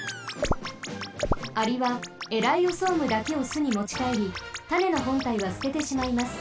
アリはエライオソームだけをすにもちかえりたねのほんたいはすててしまいます。